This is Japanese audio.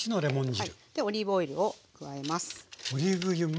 オリーブオイルを加えます。